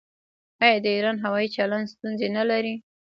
آیا د ایران هوايي چلند ستونزې نلري؟